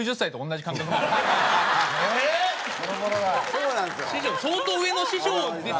そうなんですか？